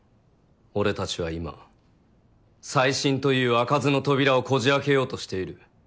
俺たちは今再審という開かずの扉をこじ開けようとしている。